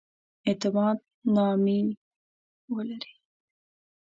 اعتماد نامې ولري.